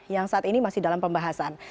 yang saat ini masih dalam pembahasan